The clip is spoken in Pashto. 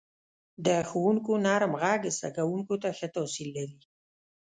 • د ښوونکو نرم ږغ زده کوونکو ته ښه تاثیر لري.